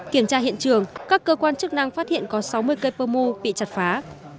kiểm tra hiện trường các cơ quan chức năng phát hiện có sáu mươi cây pơ mu bị chặt phá